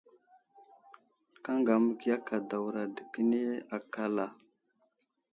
Kaŋga məgiya kadawra dəkeni akal a ?